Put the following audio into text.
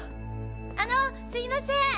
あのすいません。